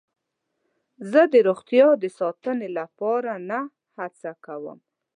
زه د روغتیا د ساتنې لپاره نه هڅه کوم.